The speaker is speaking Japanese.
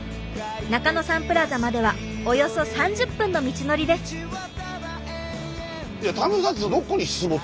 中野サンプラザまではおよそ３０分の道のりです。え？